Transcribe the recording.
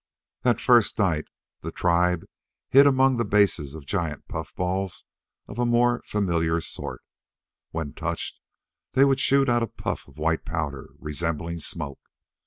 That first night the tribe hid among the bases of giant puffballs of a more familiar sort. When touched they would shoot out a puff of white powder resembling smoke.